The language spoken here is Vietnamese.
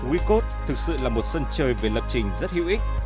wecode thực sự là một sân chơi về lập trình rất hữu ích